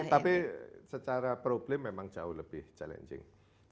tapi secara problem memang jauh lebih challenging